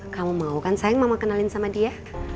kamu mau kan sayang mama kenalin sama dia